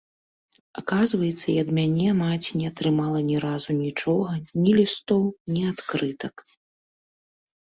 Аказваецца, і ад мяне маці не атрымала ні разу нічога, ні лістоў, ні адкрытак.